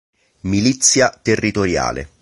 Milizia territoriale